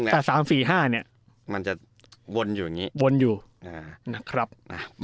แต่๓๔๕มันจะวนอยู่อย่างนี้